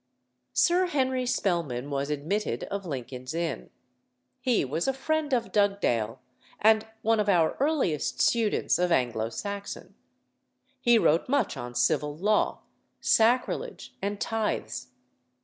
Sir Henry Spelman was admitted of Lincoln's Inn. He was a friend of Dugdale, and one of our earliest students of Anglo Saxon. He wrote much on civil law, sacrilege, and tithes.